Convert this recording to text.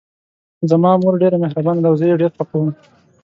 زما مور ډیره مهربانه ده او زه یې ډېر خوښوم